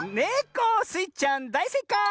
スイちゃんだいせいかい！